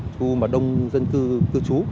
khu mà đông dân cư cư trú